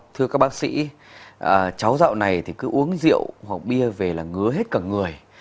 thưa các bác sĩ cháu dạo này thì cứ uống rượu hoặc bia về là ngứa hết cả người